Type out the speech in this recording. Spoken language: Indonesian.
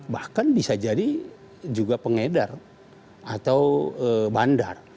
bahkan bisa jadi juga pengedar atau bandar